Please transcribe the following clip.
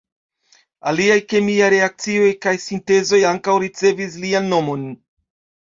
Aliaj kemiaj reakcioj kaj sintezoj ankaŭ ricevis lian nomon.